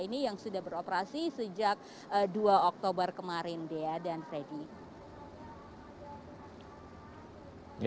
ini yang sudah beroperasi sejak dua oktober kemarin dea dan freddy